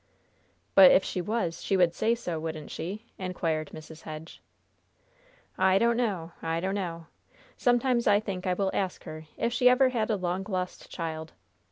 "But if she was she would say so, wouldn't she?" inquired Mrs. Hedge. "I don't know. I don't know. Sometimes I think I will ask her if she ever had a long lost child.